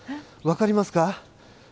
分かりますか？